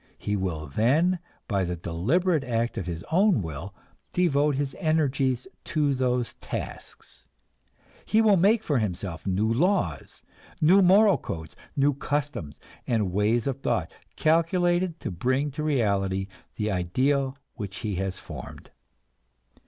He will then, by the deliberate act of his own will, devote his energies to those tasks; he will make for himself new laws, new moral codes, new customs and ways of thought, calculated to bring to reality the ideal which he has formed.